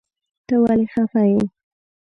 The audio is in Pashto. ته ولی خپه یی ؟